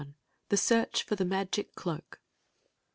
THE SEARCH FOR THE MAGIC CLOAK.